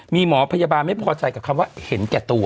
มีหมอพยาบาลไม่พอใจกับคำว่าเห็นแก่ตัว